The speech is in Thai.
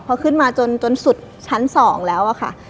พอขึ้นมาจนสุดชั้น๒แล้วอะค่ะ